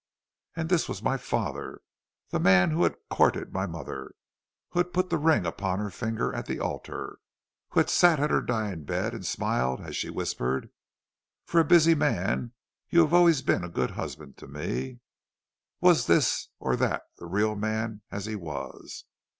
And this was my father; the man who had courted my mother; who had put the ring upon her finger at the altar; who had sat at her dying bed and smiled as she whispered: 'For a busy man, you have always been a good husband to me.' Was this or that the real man as he was?